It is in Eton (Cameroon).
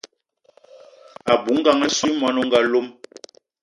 A bou ngang assou y mwani o nga lom.